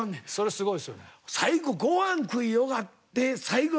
すごいですよね。